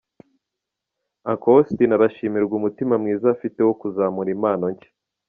Uncle Austin arashimirwa umutima mwiza afite wo kuzamura impano nshya.